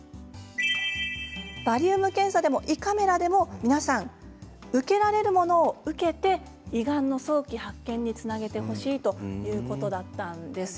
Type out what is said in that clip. バリウム検査でも胃カメラでも皆さん受けられるものを受けて胃がんの早期発見につなげてほしいということだったんです。